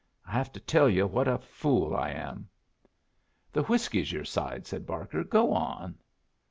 I have to tell you what a fool I am." "The whiskey's your side," said Barker. "Go on."